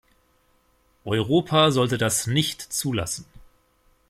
Europa sollte das nicht zulassen.